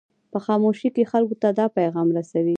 په خاموشۍ کې خلکو ته دا پیغام رسوي.